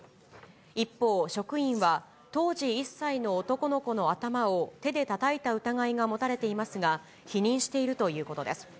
一方、職員は当時１歳の男の子の頭を手でたたいた疑いが持たれていますが、否認しているということです。